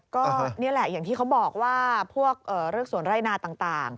ก็นี่แหละอย่างที่เขาบอกว่าพวกเรื่องสวนไร่นาต่าง